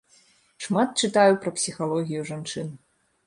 Шмат чытаю пра псіхалогію жанчын.